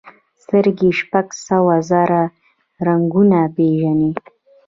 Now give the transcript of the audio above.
سترګې شپږ سوه زره رنګونه پېژني.